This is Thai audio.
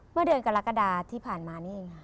เมื่อเดือนกรกฎาที่ผ่านมานี่เองค่ะ